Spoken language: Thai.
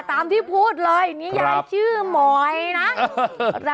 ตามที่พูดเลยอย่างนี้ไม่ใช่ชื่อหมอยนะ